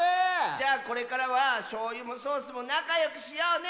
じゃあこれからはしょうゆもソースもなかよくしようね！